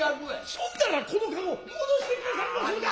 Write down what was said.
そんならこの駕籠戻して下さり升るか。